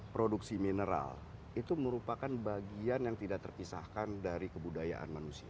produksi mineral itu merupakan bagian yang tidak terpisahkan dari kebudayaan manusia